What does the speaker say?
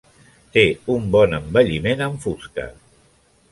Té un bon envelliment en fusta.